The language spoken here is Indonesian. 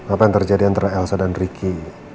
apa yang terjadi antara elsa dan ricky